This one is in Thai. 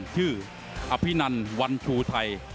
ชื่ออภินันวันชูไทย